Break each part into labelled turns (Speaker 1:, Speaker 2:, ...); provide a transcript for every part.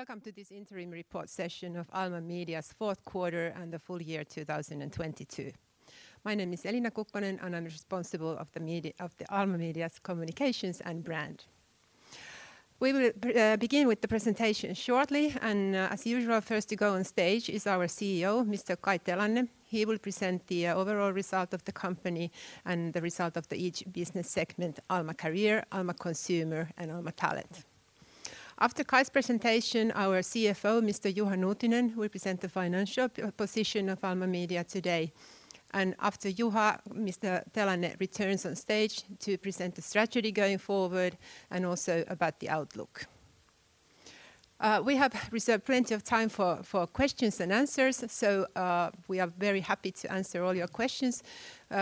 Speaker 1: Welcome to this interim report session of Alma Media's Fourth Quarter and the Full Year 2022. My name is Elina Kukkonen. I'm responsible of the Alma Media's communications and brand. We will begin with the presentation shortly. As usual, first to go on stage is our CEO, Mr. Kai Telanne. He will present the overall result of the company and the result of the each business segment Alma Career, Alma Consumer, and Alma Talent. After Kai's presentation, our CFO, Mr. Juha Nuutinen, will present the financial position of Alma Media today. After Juha, Mr. Telanne returns on stage to present the strategy going forward and also about the outlook. We have reserved plenty of time for questions and answers, so, we are very happy to answer all your questions,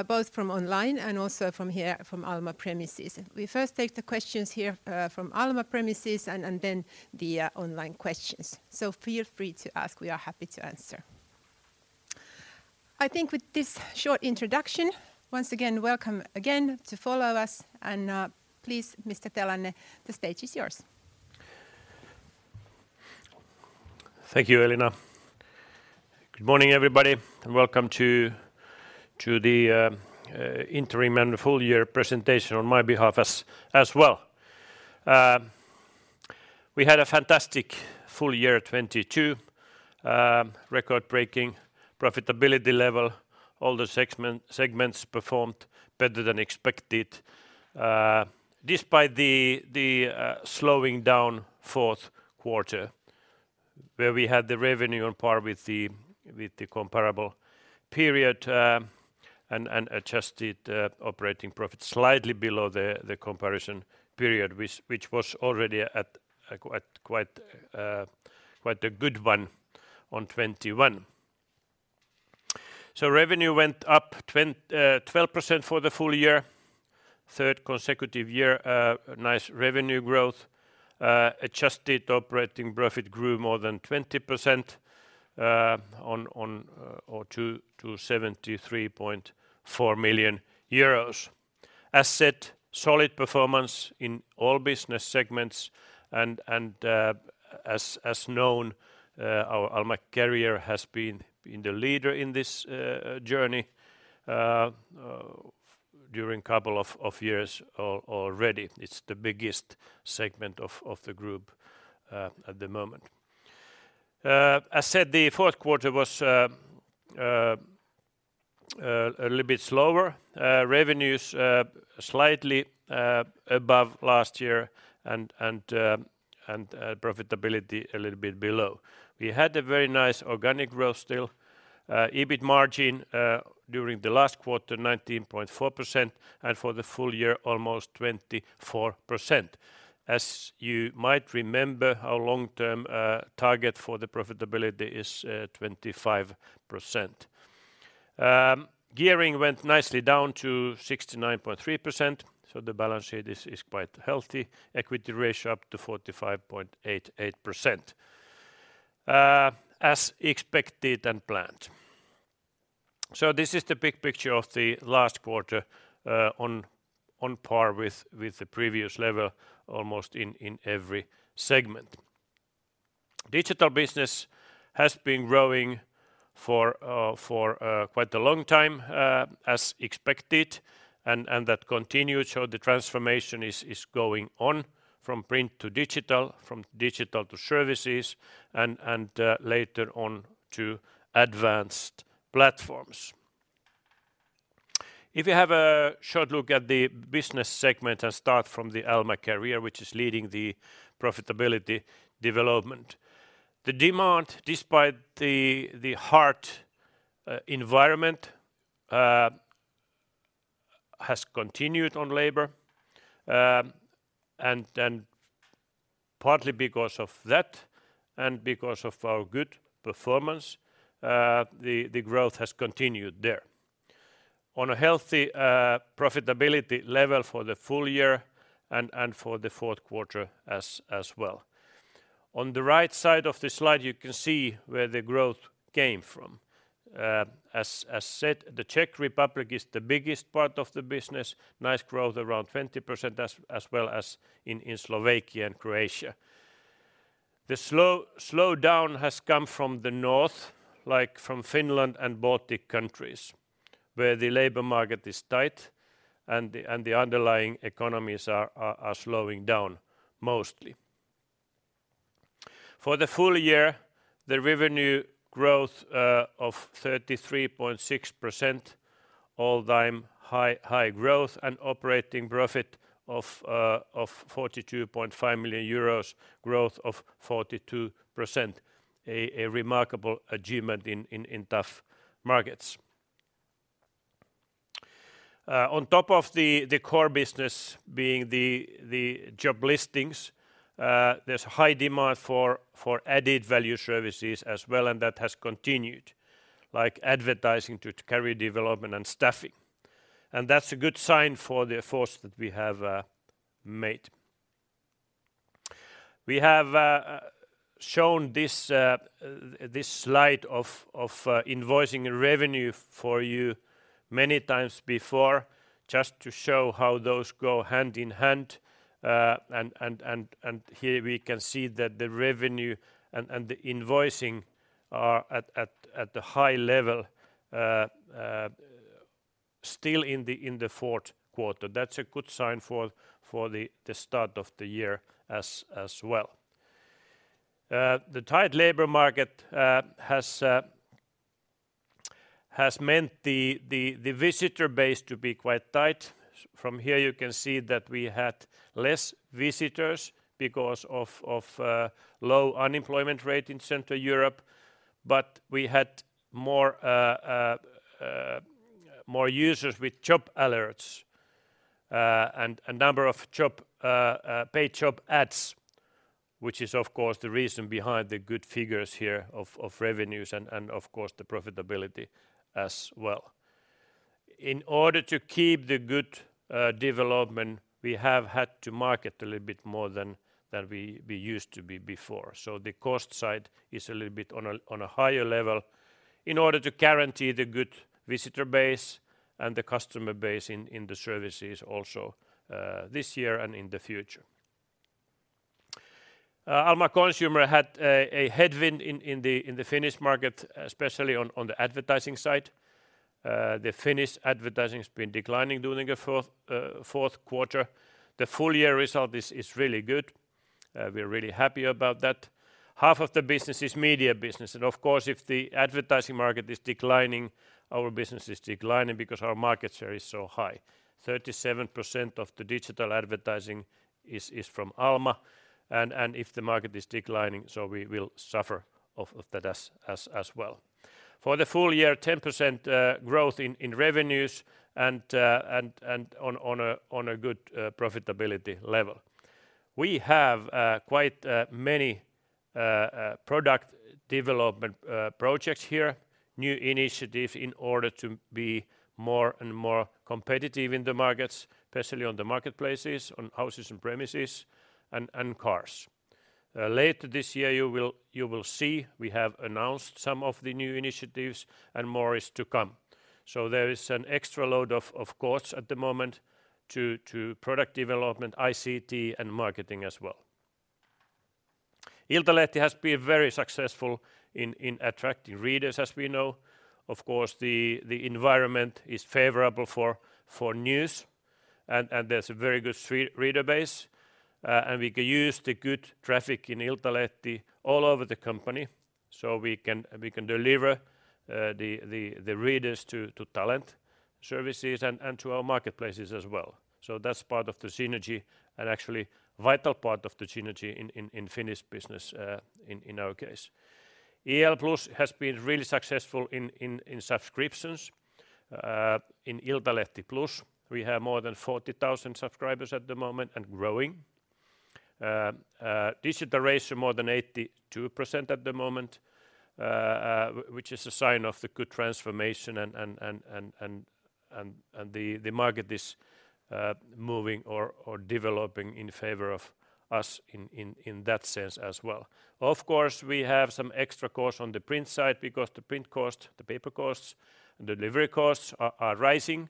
Speaker 1: both from online and also from here from Alma premises. We first take the questions here, from Alma premises and then the online questions. Feel free to ask. We are happy to answer. I think with this short introduction, once again, welcome again to follow us and, please, Mr. Telanne, the stage is yours.
Speaker 2: Thank you, Elina. Good morning, everybody, welcome to the interim and full year presentation on my behalf as well. We had a fantastic full year 2022, record-breaking profitability level. All the segments performed better than expected, despite the slowing down fourth quarter, where we had the revenue on par with the comparable period, and adjusted operating profit slightly below the comparison period, which was already at a quite good one on 2021. Revenue went up 12% for the full year, third consecutive year, nice revenue growth. Adjusted operating profit grew more than 20%, or to 73.4 million euros. As said, solid performance in all business segments and as known, our Alma Career has been the leader in this journey during two Years already. It's the biggest segment of the group at the moment. As said, the fourth quarter was a little bit slower. Revenues slightly above last year and profitability a little bit below. We had a very nice organic growth still. EBIT margin during the last quarter, 19.4%, and for the full year, almost 24%. As you might remember, our long-term target for the profitability is 25%. Gearing went nicely down to 69.3%. The balance sheet is quite healthy. Equity ratio up to 45.88%, as expected and planned. This is the big picture of the last quarter, on par with the previous level almost in every segment. Digital business has been growing for quite a long time, as expected and that continued. The transformation is going on from print to digital, from digital to services and later on to advanced platforms. If you have a short look at the business segment and start from the Alma Career, which is leading the profitability development. The demand, despite the hard environment, has continued on labor. Partly because of that and because of our good performance, the growth has continued there. On a healthy profitability level for the full year and for the fourth quarter as well. On the right side of the slide, you can see where the growth came from. As said, the Czech Republic is the biggest part of the business. Nice growth around 20% as well as in Slovakia and Croatia. The slowdown has come from the north, like from Finland and Baltic countries, where the labor market is tight and the underlying economies are slowing down mostly. For the full year, the revenue growth of 33.6% all-time high growth and operating profit of 42.5 million euros, growth of 42%, a remarkable achievement in tough markets. On top of the core business being the job listings, there's high demand for added value services as well and that has continued, like advertising to career development and staffing. That's a good sign for the efforts that we have made. We have shown this slide of invoicing revenue for you many times before just to show how those go hand in hand. Here we can see that the revenue and the invoicing are at the high level still in the fourth quarter. That's a good sign for the start of the year as well. The tight labor market has meant the visitor base to be quite tight. From here, you can see that we had less visitors because of low unemployment rate in Central Europe. We had more users with job alerts and a number of job paid job ads, which is of course the reason behind the good figures here of revenues and of course the profitability as well. In order to keep the good development, we have had to market a little bit more than we used to be before. The cost side is a little bit on a higher level in order to guarantee the good visitor base and the customer base in the services also this year and in the future. Alma Consumer had a headwind in the Finnish market, especially on the advertising side. The Finnish advertising has been declining during the 4th quarter. The full year result is really good. We're really happy about that. Half of the business is media business. Of course, if the advertising market is declining, our business is declining because our market share is so high. 37% of the digital advertising is from Alma Media. If the market is declining, we will suffer off of that as well. For the full year, 10% growth in revenues and on a good profitability level. We have quite many product development projects here, new initiatives in order to be more and more competitive in the markets, especially on the marketplaces, on houses and premises, and cars. later this year, you will see we have announced some of the new initiatives and more is to come. There is an extra load of course at the moment to product development, ICT and marketing as well. Iltalehti has been very successful in attracting readers, as we know. Of course, the environment is favorable for news and there's a very good reader base, and we can use the good traffic in Iltalehti all over the company, so we can deliver the readers to talent services and to our marketplaces as well. That's part of the synergy and actually vital part of the synergy in Finnish business, in our case. Iltalehti Plus has been really successful in subscriptions. Uh, in Iltalehti Plus, we have more than forty thousand subscribers at the moment and growing. Um, uh, digitization more than eighty-two percent at the moment, uh, uh, wh-which is a sign of the good transformation and, and, and, and, and, and, and the, the market is, uh, moving or, or developing in favor of us in, in, in that sense as well. Of course, we have some extra costs on the print side because the print cost, the paper costs, and delivery costs are, are rising.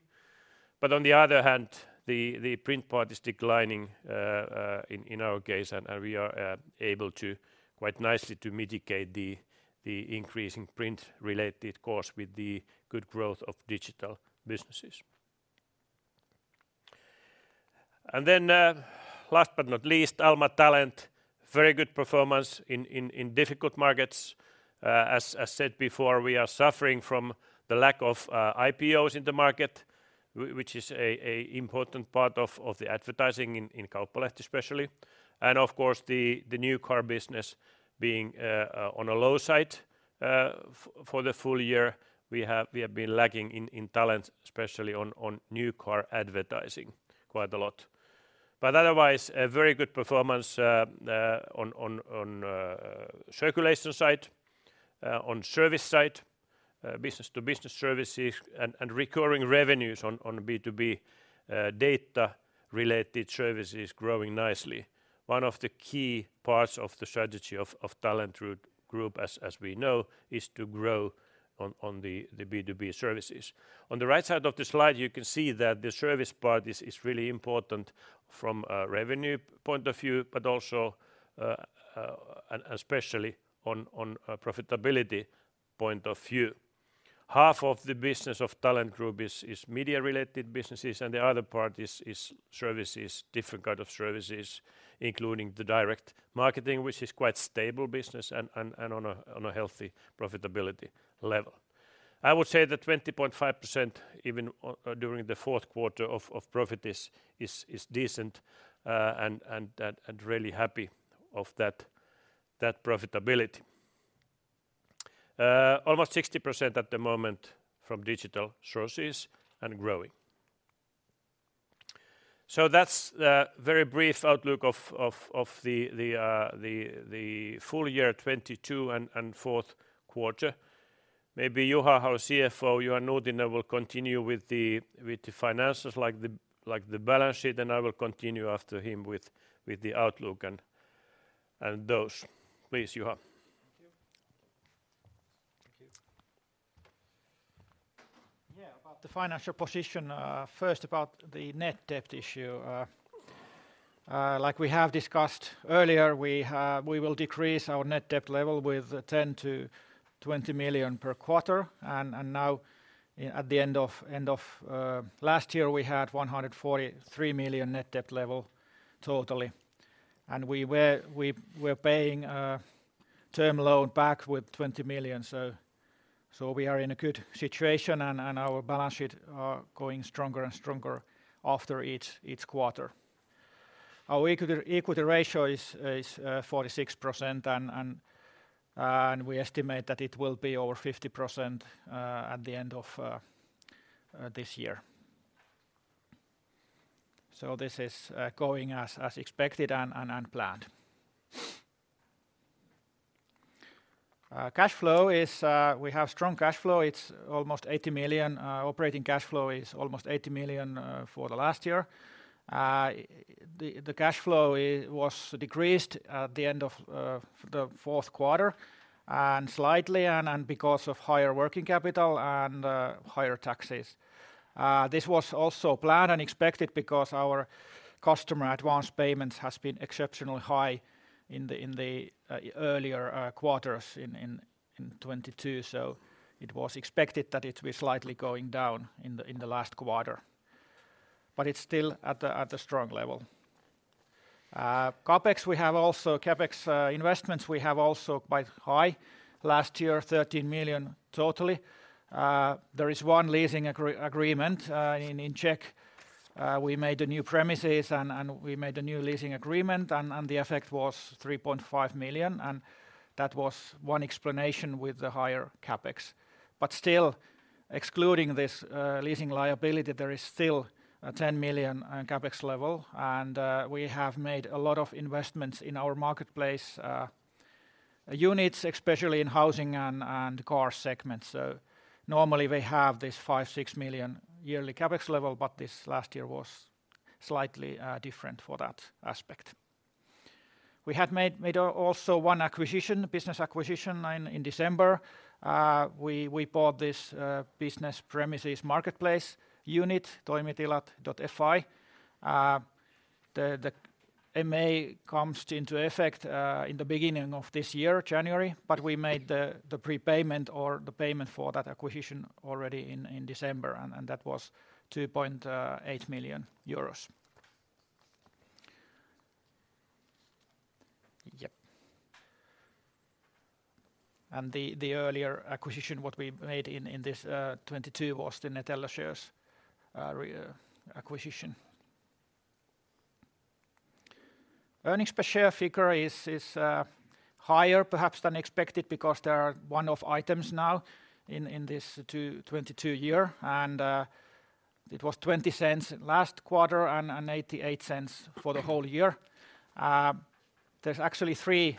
Speaker 2: But on the other hand, the, the print part is declining, uh, uh, in, in our case, and, and we are, uh, able to quite nicely to mitigate the, the increasing print-related costs with the good growth of digital businesses. And then, uh, last but not least, Alma Talent, very good performance in, in, in difficult markets. As said before, we are suffering from the lack of IPOs in the market which is an important part of the advertising in Kauppalehti especially. Of course, the new car business being on a low side for the full year, we have been lacking in Talent, especially on new car advertising quite a lot. Otherwise, a very good performance on circulation side, on service side, business-to-business services and recurring revenues on B2B data related services growing nicely. One of the key parts of the strategy of Talent Group, as we know, is to grow on the B2B services. On the right side of the slide, you can see that the service part is really important from a revenue point of view, especially on a profitability point of view. Half of the business of Alma Talent is media related businesses. The other part is services, different kind of services, including the direct marketing, which is quite stable business on a healthy profitability level. I would say that 20.5% even during the fourth quarter of profit is decent, really happy of that profitability. Almost 60% at the moment from digital sources and growing. That's the very brief outlook of the full year 2022 and fourth quarter. Maybe Juha, our CFO, Juha Nuutinen will continue with the finances like the balance sheet. I will continue after him with the outlook and those. Please, Juha.
Speaker 3: Thank you. Thank you. Yeah, about the financial position, first about the net debt issue. Like we have discussed earlier, we will decrease our net debt level with 10 million-20 million per quarter. Now at the end of last year, we had 143 million net debt level totally. We're paying, term loan back with 20 million. We are in a good situation and our balance sheet are going stronger and stronger after each quarter. Our equity ratio is 46% and we estimate that it will be over 50% at the end of this year. This is going as expected and planned. Cash flow is, we have strong cash flow. It's almost 80 million. Operating cash flow is almost 80 million for the last year. The cash flow was decreased at the end of Q4, and slightly because of higher working capital and higher taxes. This was also planned and expected because our customer advance payments has been exceptionally high in the earlier quarters in 2022, so it was expected that it will be slightly going down in the last quarter. It's still at a strong level. CapEx investments we have also quite high. Last year, 13 million totally. There is one leasing agreement in Czech. We made a new premises and we made a new leasing agreement and the effect was 3.5 million, and that was one explanation with the higher CapEx. Excluding this leasing liability, there is still a 10 million CapEx level and we have made a lot of investments in our marketplace units, especially in housing and car segments. Normally, we have this 5 million-6 million yearly CapEx level, but this last year was slightly different for that aspect. We had made also one acquisition, business acquisition in December. We bought this business premises marketplace unit, Toimitilat.fi. The MA comes into effect in the beginning of this year, January, but we made the prepayment or the payment for that acquisition already in December, and that was 2.8 million euros. The earlier acquisition, what we made in 2022, was the Nettix shares reacquisition. Earnings per share figure is higher perhaps than expected because there are one-off items now in this 2022 year, and it was 0.20 last quarter and 0.88 for the whole year. There's actually three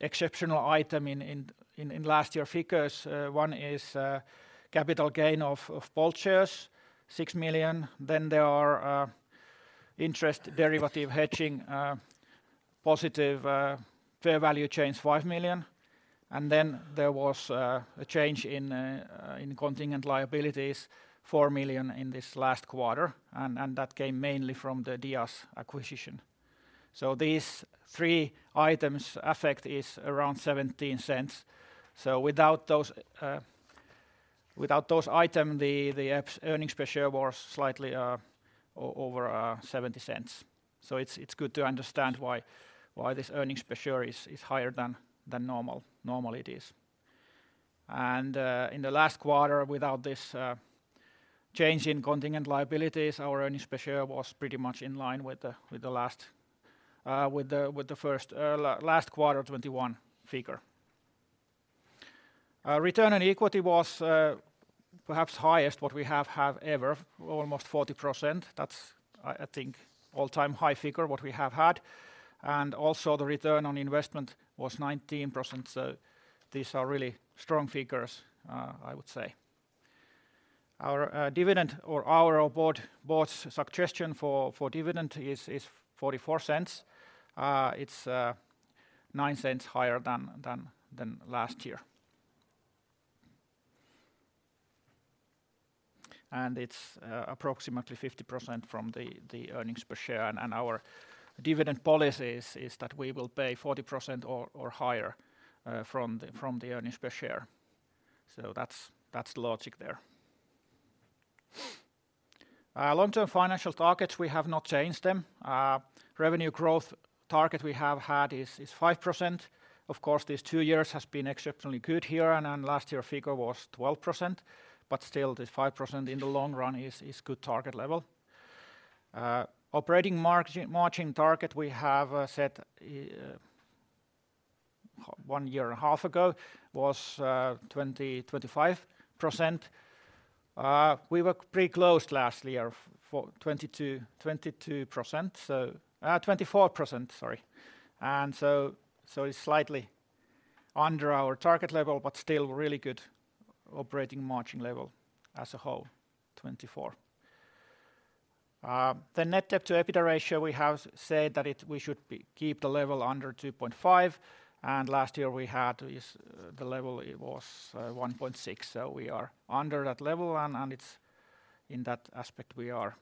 Speaker 3: exceptional item in last year figures. One is capital gain of Bolt shares, 6 million. There are interest derivative hedging positive fair value change, 5 million. Then there was a change in contingent liabilities, 4 million in this last quarter and that came mainly from the DIAS acquisition. These three items' effect is around 0.17. Without those item, the earnings per share was slightly over 0.70. It's good to understand why this earnings per share is higher than normal, normally it is. In the last quarter, without this change in contingent liabilities, our earnings per share was pretty much in line with the last, with the first last quarter 2021 figure. Return on equity was perhaps highest what we have had ever, almost 40%. That's I think all-time high figure what we have had. The return on investment was 19%. These are really strong figures, I would say. Our dividend or our board's suggestion for dividend is 0.44. It's 0.09 higher than last year. It's approximately 50% from the earnings per share and our dividend policy is that we will pay 40% or higher from the earnings per share. That's the logic there. Our long-term financial targets, we have not changed them. Revenue growth target we have had is 5%. These two years has been exceptionally good here and last year figure was 12%. Still, this 5% in the long run is good target level. Operating margin target we have set one year and a half ago was 25%. We were pretty close last year 22%. 24%, sorry. It's slightly under our target level, but still really good operating margin level as a whole, 24%. The net debt-to-EBITDA ratio, we have said that we should keep the level under 2.5, and last year we had is the level it was 1.6. We are under that level and it's in that aspect we are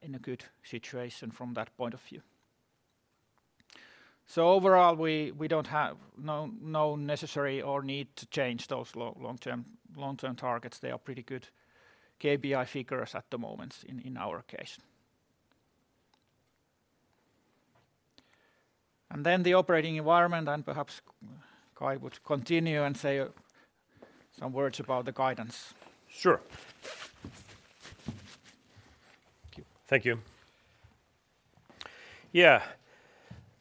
Speaker 3: in a good situation from that point of view. Overall we don't have no necessary or need to change those long-term targets. They are pretty good KPI figures at the moment in our case. The operating environment, and perhaps Kai would continue and say some words about the guidance.
Speaker 2: Sure. Thank you.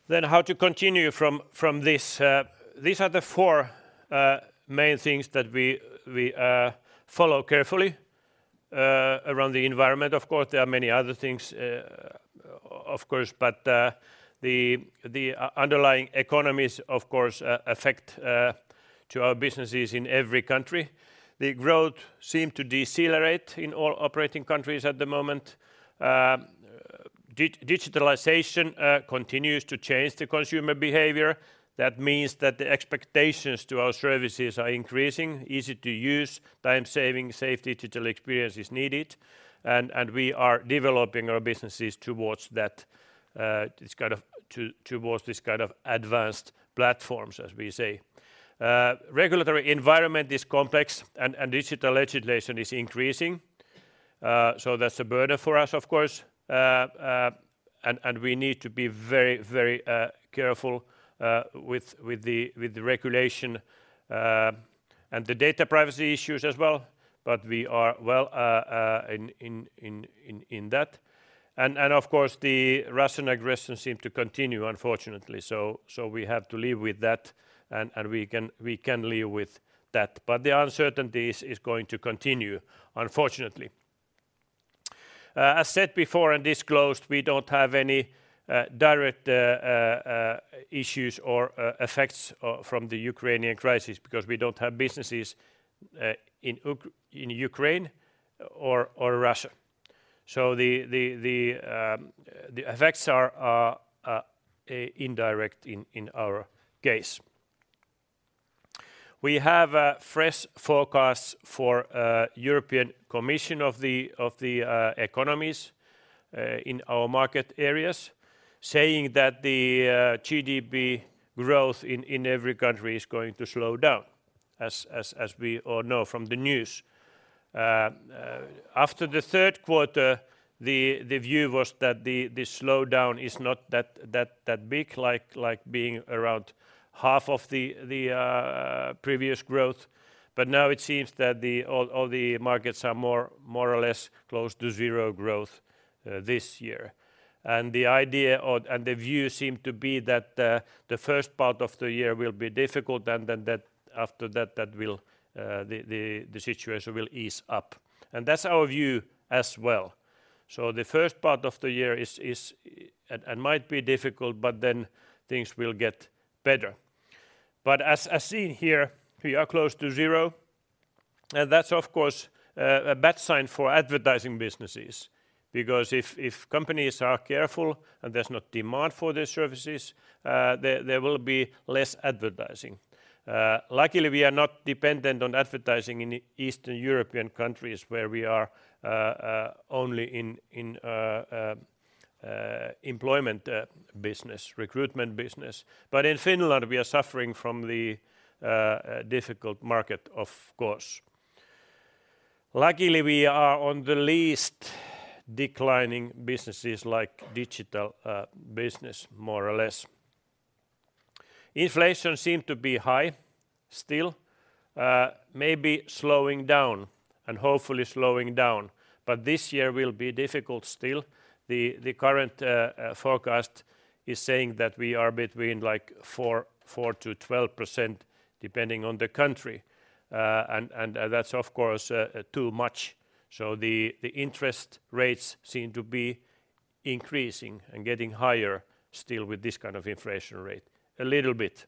Speaker 2: How to continue from this. These are the four main things that we follow carefully around the environment. Of course, there are many other things, of course, but the underlying economies, of course, affect to our businesses in every country. The growth seem to decelerate in all operating countries at the moment. Digitalization continues to change the consumer behavior. That means that the expectations to our services are increasing: easy to use, time-saving, safe digital experience is needed. We are developing our businesses towards that, it's kind of towards this kind of advanced platforms, as we say. Regulatory environment is complex and digital legislation is increasing, so that's a burden for us, of course. We need to be very careful with the regulation and the data privacy issues as well, but we are well in that. Of course, the Russian aggression seem to continue, unfortunately. We have to live with that, and we can live with that. The uncertainties is going to continue, unfortunately. As said before and disclosed, we don't have any direct issues or effects from the Ukrainian crisis because we don't have businesses in Ukraine or Russia. The effects are indirect in our case. We have a fresh forecast for European Commission of the economies in our market areas saying that the GDP growth in every country is going to slow down as we all know from the news. After the third quarter, the view was that the slowdown is not that big like being around half of the previous growth. Now it seems that all the markets are more or less close to zero growth this year. The idea or the view seem to be that the first part of the year will be difficult and then after that, the situation will ease up. That's our view as well. The first part of the year is. It might be difficult, things will get better. As seen here, we are close to zero, and that's of course a bad sign for advertising businesses because if companies are careful and there's not demand for the services, there will be less advertising. Luckily, we are not dependent on advertising in Eastern European countries where we are only in employment business, recruitment business. In Finland we are suffering from the difficult market of course. Luckily, we are on the least declining businesses like digital business more or less. Inflation seem to be high still, maybe slowing down and hopefully slowing down. This year will be difficult still. The current forecast is saying that we are between like 4%-12% depending on the country. That's of course too much. The interest rates seem to be increasing and getting higher still with this kind of inflation rate a little bit.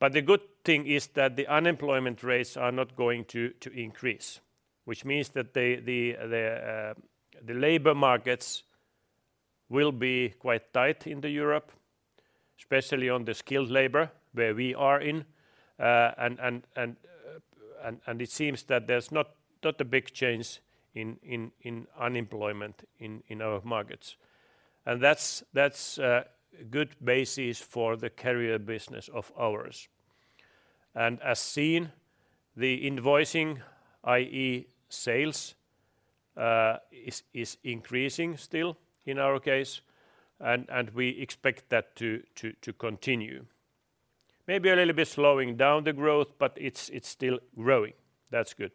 Speaker 2: The good thing is that the unemployment rates are not going to increase, which means that the labor markets will be quite tight in Europe, especially on the skilled labor where we are in. It seems that there's not a big change in unemployment in our markets. That's a good basis for the Career business of ours. As seen the invoicing, i.e. sales is increasing still in our case, and we expect that to continue. Maybe a little bit slowing down the growth, but it's still growing. That's good.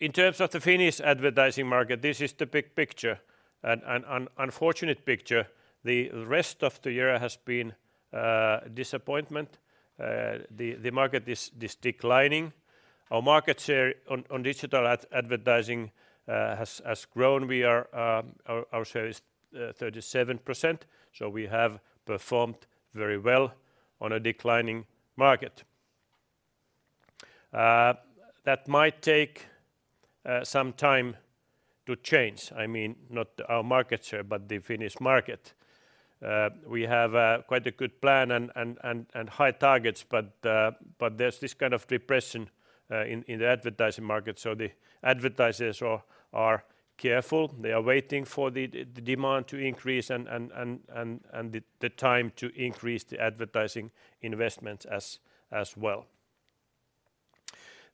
Speaker 2: In terms of the Finnish advertising market, this is the big picture, an unfortunate picture. The rest of the year has been a disappointment. The market is declining. Our market share on digital advertising has grown. We are... our share is 37%, so we have performed very well on a declining market. That might take some time to change. I mean, not our market share, but the Finnish market. We have quite a good plan and high targets, but there's this kind of depression in the advertising market. The advertisers are careful. They are waiting for the demand to increase and the time to increase the advertising investments as well.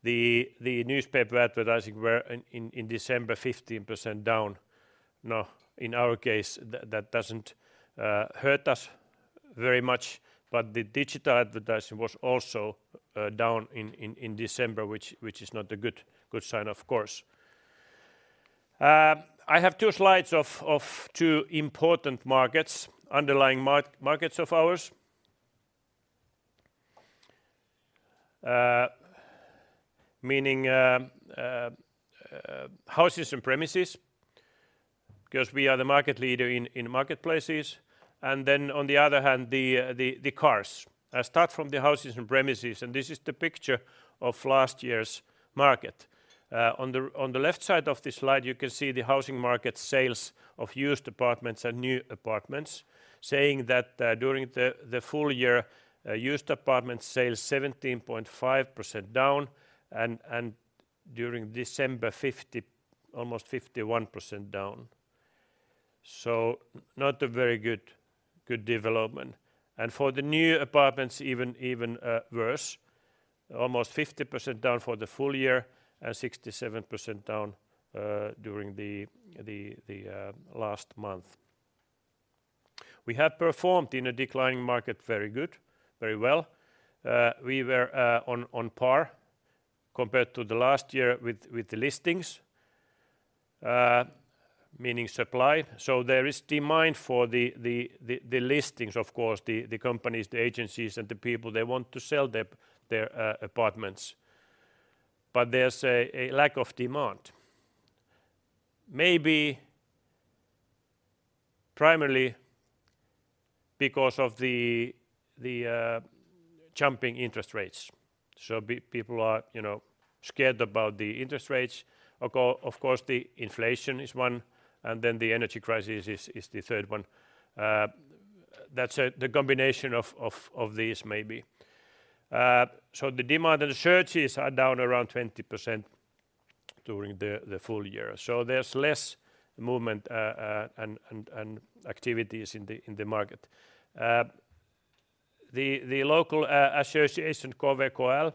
Speaker 2: The newspaper advertising were in December 15% down. In our case, that doesn't hurt us very much, but the digital advertising was also down in December, which is not a good sign of course. I have two slides of two important markets, underlying markets of ours. Meaning, houses and premises because we are the market leader in marketplaces and then on the other hand the cars. I start from the houses and premises, and this is the picture of last year's market. On the left side of the slide, you can see the housing market sales of used apartments and new apartments saying that during the full year, used apartment sales 17.5% down and during December almost 51% down. Not a very good development. For the new apartments even worse, almost 50% down for the full year and 67% down during the last month. We have performed in a declining market very good, very well. We were on par compared to the last year with the listings, meaning supply. There is demand for the listings of course, the companies, the agencies and the people, they want to sell their apartments. There's a lack of demand maybe primarily because of the jumping interest rates. People are, you know, scared about the interest rates. Of course, the inflation is one, and then the energy crisis is the third one. That's the combination of these maybe. The demand and searches are down around 20% during the full year. There's less movement and activities in the market. The local association KVKL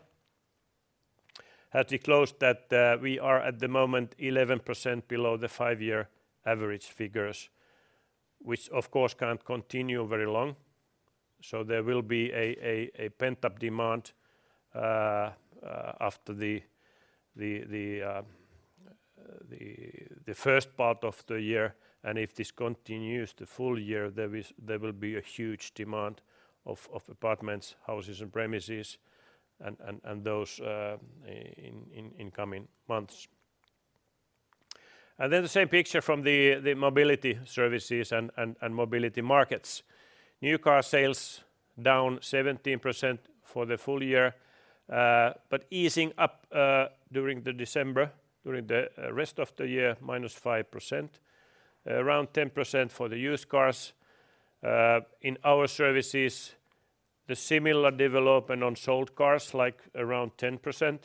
Speaker 2: had disclosed that we are at the moment 11% below the 5-year average figures, which of course can't continue very long. There will be a pent-up demand after the first part of the year, and if this continues the full year, there is... there will be a huge demand of apartments, houses and premises and those in coming months. The same picture from the mobility services and mobility markets. New car sales down 17% for the full year, but easing up during December. During the rest of the year, -5%. Around 10% for the used cars. In our services the similar development on sold cars, like around 10%,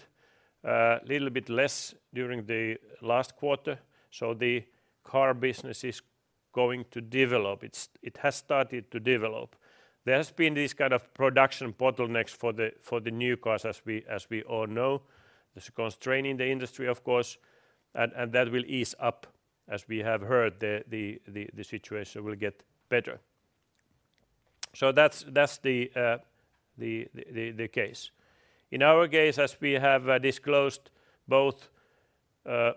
Speaker 2: little bit less during the last quarter. The car business is going to develop. It has started to develop. There has been this kind of production bottlenecks for the new cars as we all know. This is constraining the industry of course and that will ease up as we have heard the situation will get better. That's the case. In our case as we have disclosed both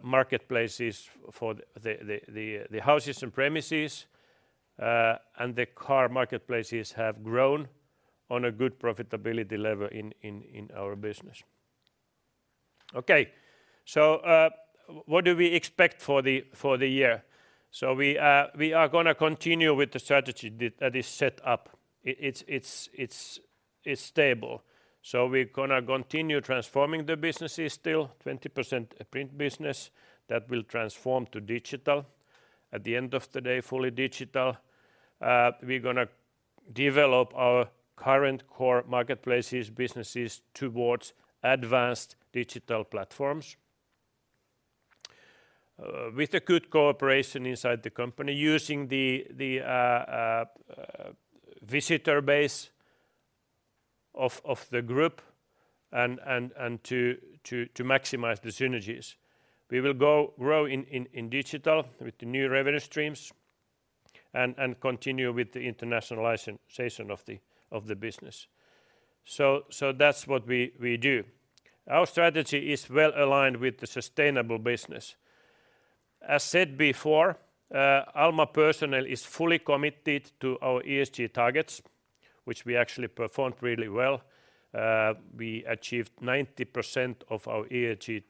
Speaker 2: marketplaces for the houses and premises and the car marketplaces have grown on a good profitability level in our business. Okay. What do we expect for the year? We are gonna continue with the strategy that is set up. It's stable. We're gonna continue transforming the businesses still. 20% print business that will transform to digital. At the end of the day, fully digital. We're gonna develop our current core marketplaces businesses towards advanced digital platforms, with a good cooperation inside the company using the visitor base of the group and to maximize the synergies. We will grow in digital with the new revenue streams and continue with the internationalization of the business. That's what we do. Our strategy is well aligned with the sustainable business. As said before, Alma Personnel is fully committed to our ESG targets, which we actually performed really well. We achieved 90% of our ESG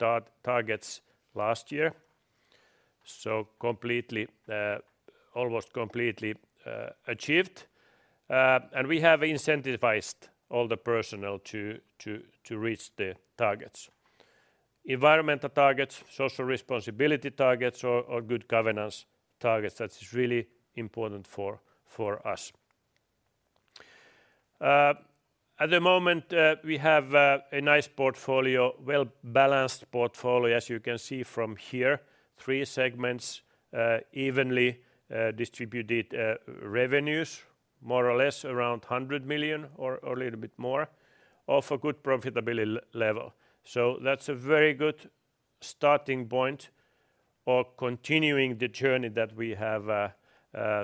Speaker 2: targets last year. Completely, almost completely achieved. And we have incentivized all the personnel to reach the targets. Environmental targets, social responsibility targets or good governance targets, that is really important for us. At the moment, we have a nice portfolio, well-balanced portfolio, as you can see from here. Three segments, evenly distributed revenues, more or less around 100 million or a little bit more of a good profitability level. That's a very good starting point or continuing the journey that we have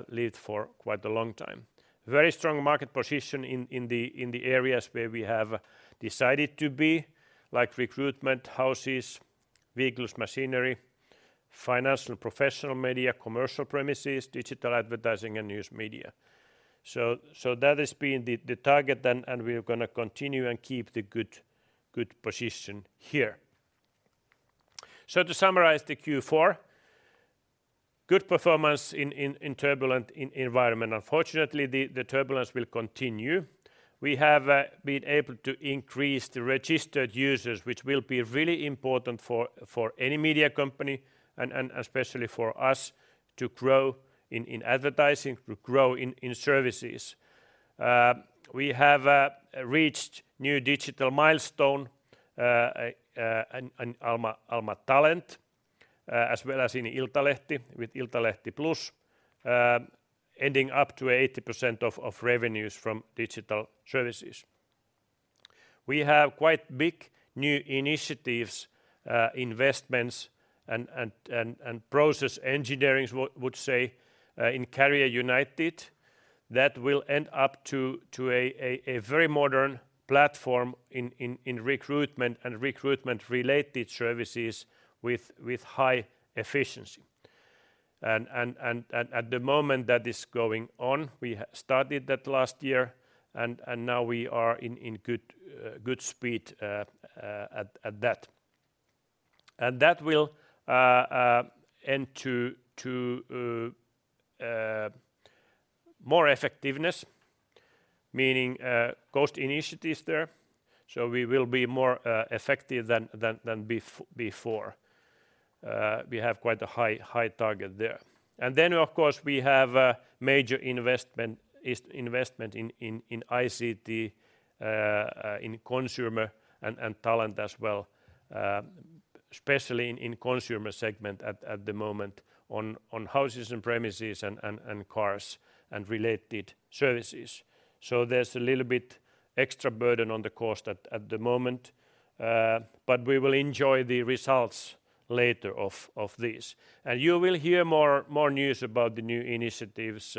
Speaker 2: led for quite a long time. Very strong market position in the areas where we have decided to be, like recruitment, houses, vehicles, machinery, financial professional media, commercial premises, digital advertising and news media. That has been the target then, and we're gonna continue and keep the good position here. To summarize the Q4, good performance in turbulent environment. Unfortunately, the turbulence will continue. We have been able to increase the registered users, which will be really important for any media company and especially for us to grow in advertising, to grow in services. We have reached new digital milestone in Alma Talent as well as in Iltalehti with Iltalehti Plus, ending up to 80% of revenues from digital services. We have quite big new initiatives, investments and process engineerings one would say, in Career United that will end up to a very modern platform in recruitment and recruitment-related services with high efficiency. At the moment that is going on, we started that last year and now we are in good speed at that. That will end to more effectiveness, meaning cost initiatives there. We will be more effective than before. We have quite a high target there. Then of course we have a major investment in ICT in Consumer and Talent as well, especially in Consumer segment at the moment on houses and premises and cars and related services. There's a little bit extra burden on the cost at the moment, but we will enjoy the results later of this. You will hear more news about the new initiatives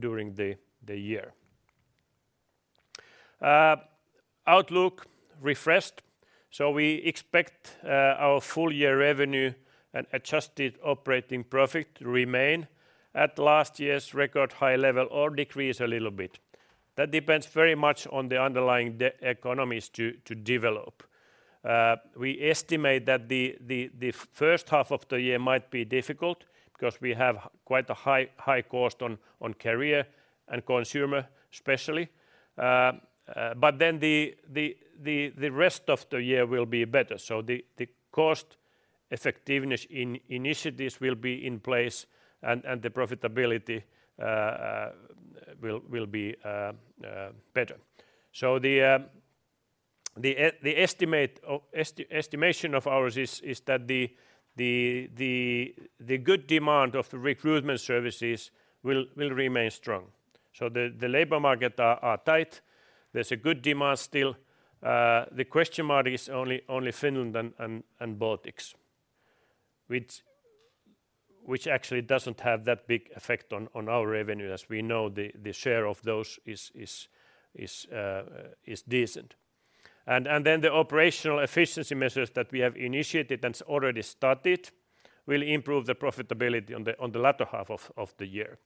Speaker 2: during the year. Outlook refreshed. We expect our full year revenue and adjusted operating profit to remain at last year's record high level or decrease a little bit. That depends very much on the underlying economies to develop. We estimate that the first half of the year might be difficult because we have quite a high cost on Career and Consumer especially. But then the rest of the year will be better. The cost effectiveness initiatives will be in place and the profitability will be better. The estimation of ours is that the good demand of the recruitment services will remain strong. The labor market are tight. There's a good demand still. The question mark is only Finland and Baltics, which actually doesn't have that big effect on our revenue as we know the share of those is decent. Then the operational efficiency measures that we have initiated and already started will improve the profitability on the latter half of the year.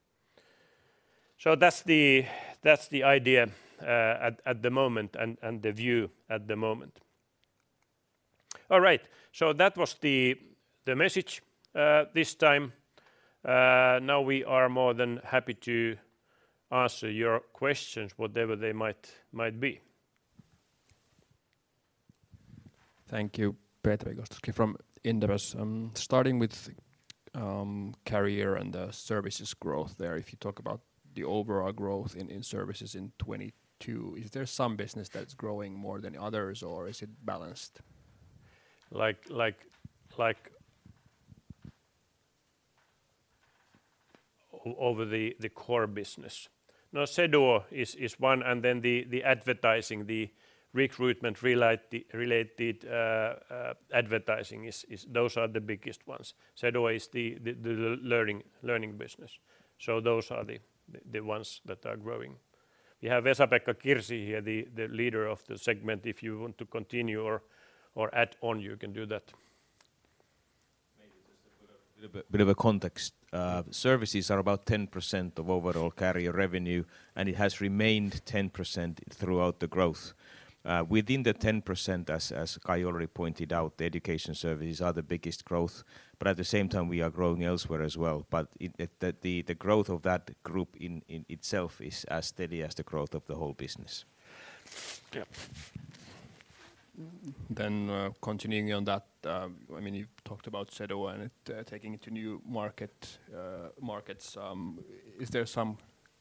Speaker 2: That's the idea at the moment and the view at the moment. All right, that was the message this time. Now we are more than happy to answer your questions, whatever they might be.
Speaker 4: Thank you, Petri. Petri Gostowski from Inderes. Starting with Career and the services growth there. If you talk about the overall growth in services in 2022, is there some business that's growing more than others or is it balanced?
Speaker 2: Like over the core business? Now Jobly is one, and then the advertising, the recruitment related advertising is. Those are the biggest ones. Jobly is the learning business. Those are the ones that are growing. We have Vesa-Pekka Kirsi here, the leader of the segment. If you want to continue or add on, you can do that.
Speaker 5: Bit of a context. Services are about 10% of overall Alma Career revenue, and it has remained 10% throughout the growth. Within the 10%, as Kai already pointed out, the education services are the biggest growth, but at the same time we are growing elsewhere as well. The growth of that group in itself is as steady as the growth of the whole business.
Speaker 2: Yeah.
Speaker 4: Continuing on that, I mean, you talked about Seduo and it taking it to new markets. Is there some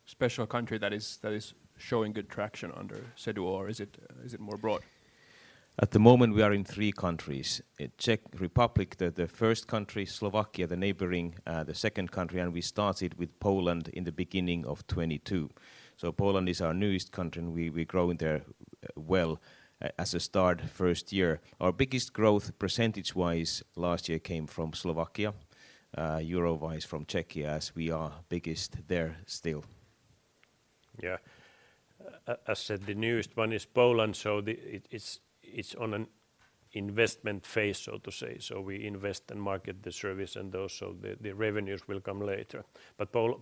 Speaker 4: special country that is showing good traction under Seduo or is it more broad?
Speaker 5: At the moment, we are in three countries. In Czech Republic, the first country, Slovakia, the neighboring, the second country. We started with Poland in the beginning of 2022. Poland is our newest country, and we're growing there well, as a start first year. Our biggest growth percentage-wise last year came from Slovakia, euro-wise from Czechia, as we are biggest there still.
Speaker 2: Yeah. As said, the newest one is Poland, so it's on an investment phase, so to say. We invest and market the service and also the revenues will come later.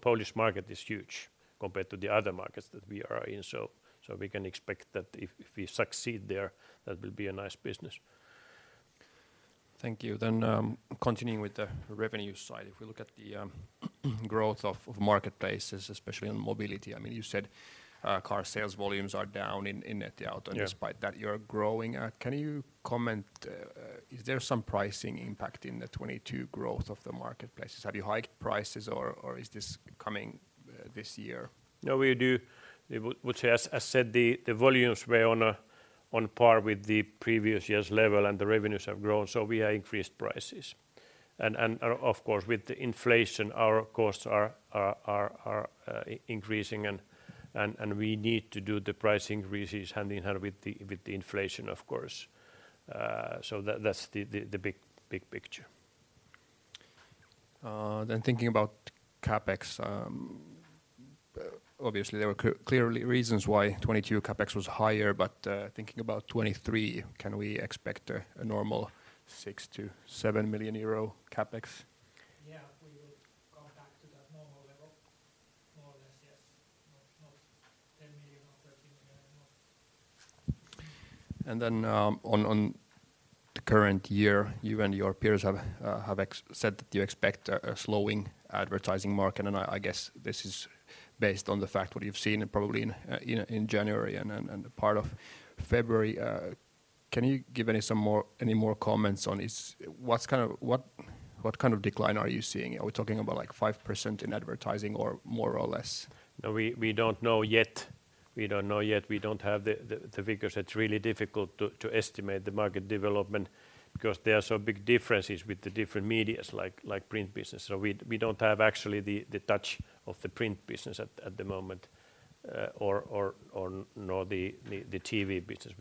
Speaker 2: Polish market is huge compared to the other markets that we are in, so we can expect that if we succeed there, that will be a nice business.
Speaker 4: Thank you. Continuing with the revenue side, if we look at the growth of marketplaces, especially on mobility, I mean, you said, car sales volumes are down in Nettiauto.
Speaker 2: Yeah...
Speaker 4: despite that you're growing. Can you comment, is there some pricing impact in the 2022 growth of the marketplaces? Have you hiked prices or is this coming this year?
Speaker 2: No, we would say, as said, the volumes were on a par with the previous year's level, and the revenues have grown, so we have increased prices. Of course, with the inflation, our costs are increasing and we need to do the price increases hand-in-hand with the inflation, of course. That's the big picture.
Speaker 4: Thinking about CapEx, obviously there were clearly reasons why 2022 CapEx was higher, but, thinking about 2023, can we expect a normal 6 million-7 million euro CapEx?
Speaker 5: Yeah. We will come back to that normal level. More or less, yes. Not EUR 10 million or EUR 13 million or more.
Speaker 4: On the current year, you and your peers have said that you expect a slowing advertising market. I guess this is based on the fact what you've seen probably in January and then, and part of February. Can you give any more comments on is... What kind of decline are you seeing? Are we talking about like 5% in advertising or more or less?
Speaker 2: We don't know yet. We don't know yet. We don't have the figures. It's really difficult to estimate the market development because there are some big differences with the different medias like print business. We don't have actually the touch of the print business at the moment, or nor the TV business.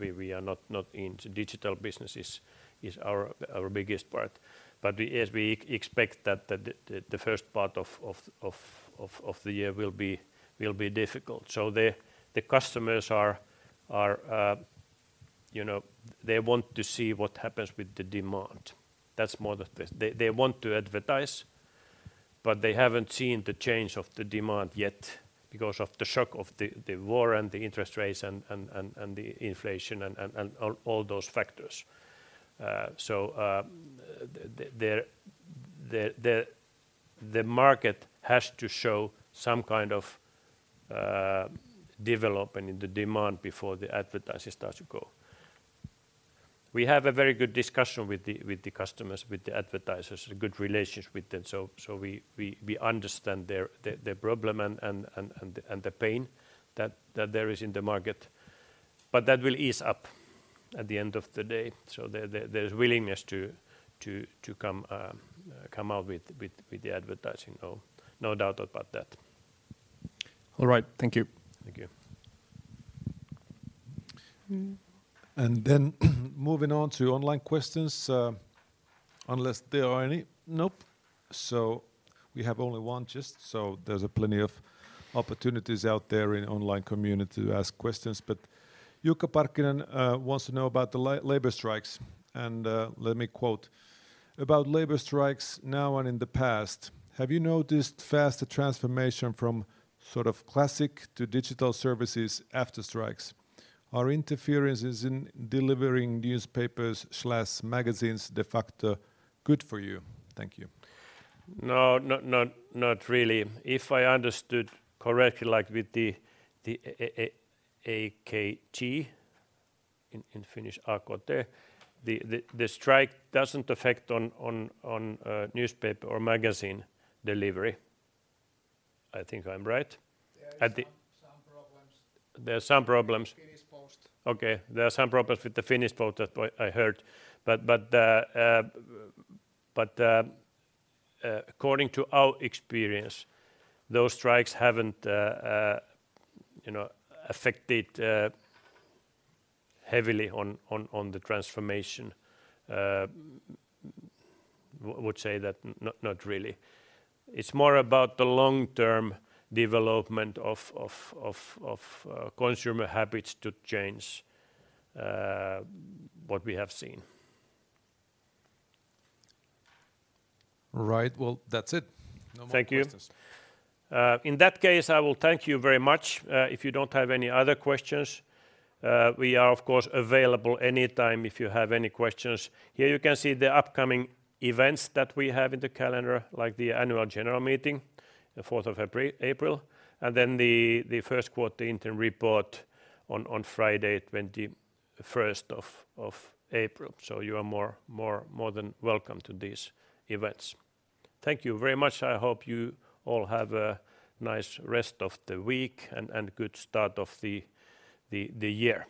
Speaker 2: We are not in... Digital business is our biggest part. We, as we expect that the first part of the year will be difficult. The customers are, you know, they want to see what happens with the demand. That's more the thing. They want to advertise. They haven't seen the change of the demand yet because of the shock of the war and the interest rates and the inflation and all those factors. The market has to show some kind of development in the demand before the advertising starts to go. We have a very good discussion with the customers, with the advertisers, good relations with them. We understand their problem and the pain that there is in the market, but that will ease up at the end of the day. There's willingness to come out with the advertising. No doubt about that.
Speaker 4: All right. Thank you.
Speaker 2: Thank you.
Speaker 1: Moving on to online questions, unless there are any. Nope. We have only one just so there's plenty of opportunities out there in online community to ask questions. Sami Sarkamies wants to know about the labor strikes, and, let me quote, "About labor strikes now and in the past, have you noticed faster transformation from sort of classic to digital services after strikes? Are interferences in delivering newspapers/magazines de facto good for you? Thank you.
Speaker 2: No. Not really. If I understood correctly, like with the AKT, in Finnish, AKT, the strike doesn't affect on newspaper or magazine delivery. I think I'm right.
Speaker 5: There are some problems.
Speaker 2: There are some problems.
Speaker 5: Finnish post.
Speaker 2: Okay. There are some problems with the Finnish post that I heard. According to our experience, those strikes haven't, you know, affected heavily on the transformation. Would say that not really. It's more about the long-term development of consumer habits to change, what we have seen.
Speaker 1: Right. Well, that's it.
Speaker 2: Thank you.
Speaker 1: No more questions.
Speaker 2: In that case, I will thank you very much. If you don't have any other questions, we are, of course, available anytime if you have any questions. Here you can see the upcoming events that we have in the calendar, like the annual general meeting, the 4th of April, and then the first quarter interim report on Friday, 21st of April. You are more than welcome to these events. Thank you very much. I hope you all have a nice rest of the week and good start of the year.